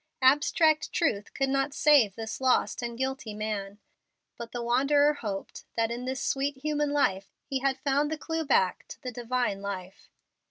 Abstract truth could not save this lost and guilty man, but the wanderer hoped that in this sweet human life he had found the clew back to the divine life.